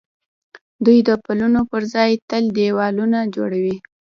دوی د پلونو پر ځای تل دېوالونه جوړوي.